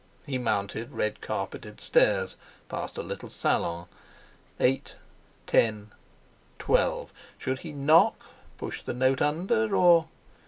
He mounted red carpeted stairs, past a little salon; eight ten twelve! Should he knock, push the note under, or...?